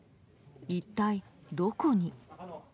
一体どこに？